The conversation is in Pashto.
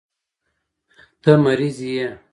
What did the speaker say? ته مريض يې.